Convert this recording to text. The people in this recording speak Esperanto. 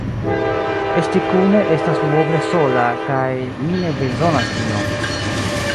Esti kune estas duoble sola kaj mi ne bezonas tion.